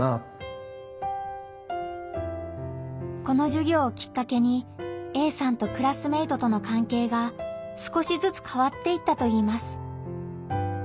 このじゅぎょうをきっかけにＡさんとクラスメートとのかんけいが少しずつ変わっていったといいます。